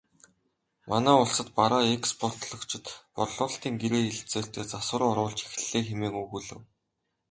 Манай улсад бараа экспортлогчид борлуулалтын гэрээ хэлэлцээртээ засвар оруулж эхэллээ хэмээн өгүүлэв.